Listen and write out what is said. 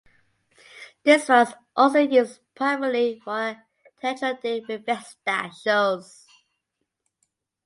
This was also used primarily for "Teatro de Revista" shows.